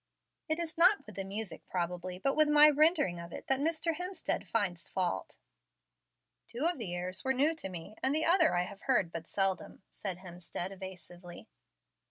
"It is not with the music probably, but my rendering of it, that Mr. Hemstead finds fault." "Two of the airs were new to me, and the other I have heard but seldom," said Hemstead, evasively.